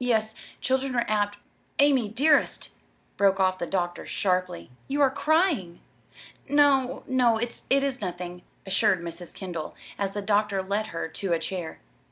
"Yes, children are apt Amy, dearest!" broke off the doctor, sharply, "you are crying!" "No, no, it is nothing," assured Mrs. Kendall, as the doctor led her to a chair.